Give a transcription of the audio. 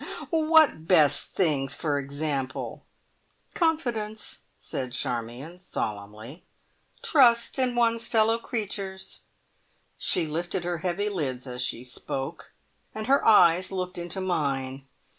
"What best things, for example?" "Confidence," said Charmion solemnly. "Trust in one's fellow creatures." She lifted her heavy lids as she spoke, and her eyes looked into mine.